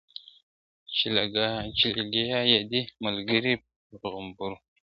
چي لګیا یې دي ملګري په غومبرو !.